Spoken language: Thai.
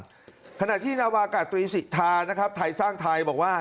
สมัยที่นาวากาศตรีศิษภาไทยสร้างไทยบอกว่า